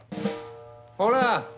ほら。